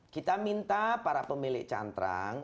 kita minta para pemilik cantrang